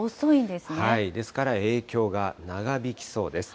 ですから、影響が長引きそうです。